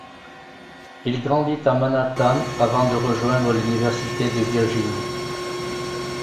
Il grandit à Manhattan avant de rejoindre l'Université de Virginie.